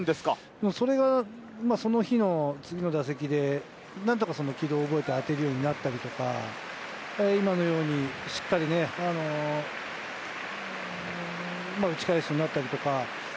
それが、その日の次の打席で何とか起動を覚えて当てるようになったりとか、今のように、しっかり打ち返すようになったりとか。